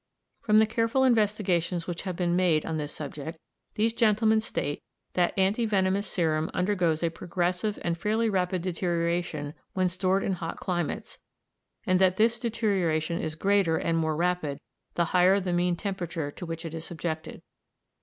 From the careful investigations which have been made on this subject, these gentlemen state that anti venomous serum undergoes a progressive and fairly rapid deterioration when stored in hot climates, and that this deterioration is greater and more rapid the higher the mean temperature to which it is subjected.